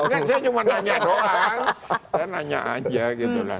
kan saya cuma nanya doang saya nanya aja gitu loh